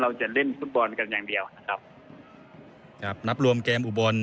เราจะเล่นฟุตบอลกันอย่างเดียวนะครับครับนับรวมเกมอุบล